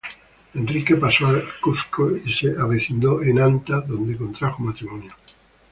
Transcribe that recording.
Enrique pasó al Cuzco y se avecindó en Anta, donde contrajo matrimonio.